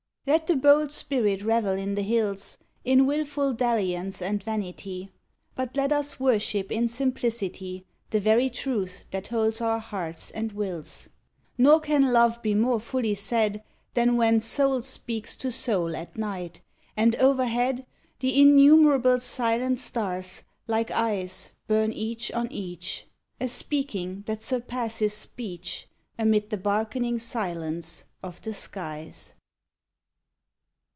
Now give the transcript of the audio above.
Let the bold spirit revel in the hills In wilful dalliance and vanity, But let us worship in simplicity The very truth that holds our hearts and wills; Nor can love be more fully said Than when soul speaks to soul at night, and overhead The innumerable silent stars like eyes Burn each on each, A speaking that surpasses speech, Amid the barkening silence of the skies.